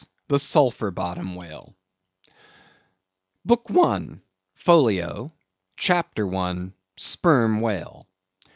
the Sulphur Bottom Whale. BOOK I. (Folio), CHAPTER I. (Sperm Whale).